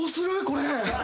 これ。